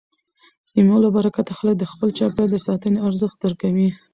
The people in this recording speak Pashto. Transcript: د مېلو له برکته خلک د خپل چاپېریال د ساتني ارزښت درکوي.